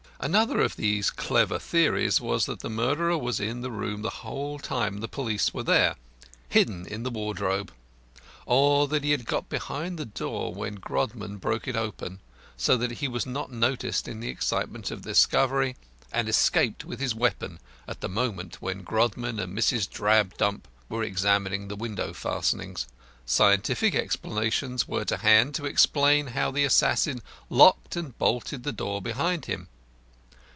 Another of these clever theories was that the murderer was in the room the whole time the police were there hidden in the wardrobe. Or he had got behind the door when Grodman broke it open, so that he was not noticed in the excitement of the discovery, and escaped with his weapon at the moment when Grodman and Mrs. Drabdump were examining the window fastenings. Scientific explanations also were to hand to explain how the assassin locked and bolted the door behind him.